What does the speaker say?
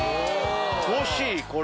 欲しいこれ。